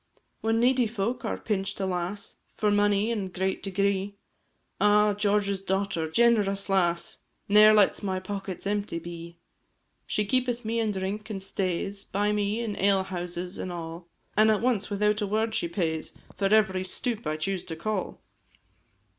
When needy folk are pinch'd, alas! For money in a great degree; Ah, George's daughter generous lass Ne'er lets my pockets empty be; She keepeth me in drink, and stays By me in ale houses and all, An' at once, without a word, she pays For every stoup I choose to call!